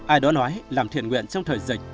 ai đó nói làm thiền nguyện trong thời dịch